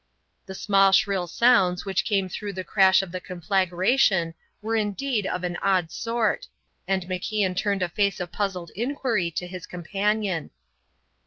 The small shrill sounds which came through the crash of the conflagration were indeed of an odd sort, and MacIan turned a face of puzzled inquiry to his companion.